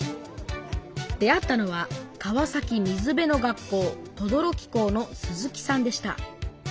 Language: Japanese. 出会ったのは「かわさき水辺の楽校とどろき校」の鈴木さんでした。